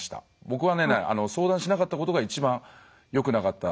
僕はね、相談しなかったことが一番よくなかった。